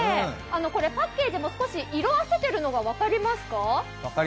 これ、パッケージも少し色あせてるのが分かりますか？